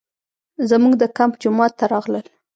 زموږ د کمپ جومات ته راغلل.